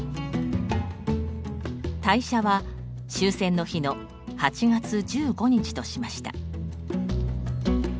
退社の時期は終戦日の８月１５日としました。